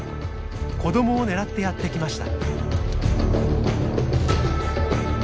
子どもを狙ってやって来ました。